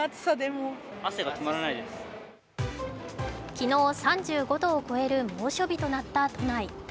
昨日、３５度を超える猛暑日となった都内。